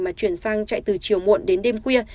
mà chuyển sang chạy từ chiều muộn đến đêm khuya